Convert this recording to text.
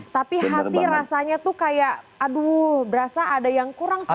tapi hati rasanya tuh kayak aduh berasa ada yang kurang sih